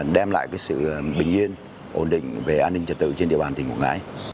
đem lại sự bình yên ổn định về an ninh trật tự trên địa bàn tỉnh quảng ngãi